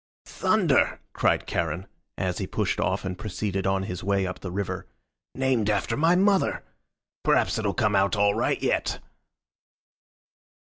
"Thunder!" cried Charon, as he pushed off and proceeded on his way up the river. "Named after my mother! Perhaps it'll come out all right yet."